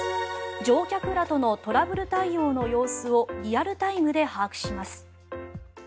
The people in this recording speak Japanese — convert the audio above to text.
乗客らとのトラブル対応の様子をリアルタイムで把握します。